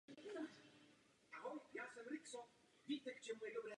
Victor studoval filozofii ve Vídni a pak absolvoval Orientální akademii ve Vídni.